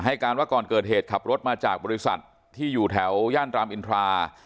การว่าก่อนเกิดเหตุขับรถมาจากบริษัทที่อยู่แถวย่านรามอินทรา